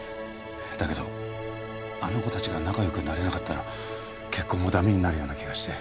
だけどあの子たちが仲良くなれなかったら結婚もだめになるような気がして。